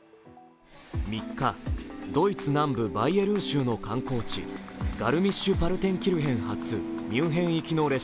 ３日、ドイツ南部バイエルン州の観光地ガルミッシュ・パルテンキルヘン発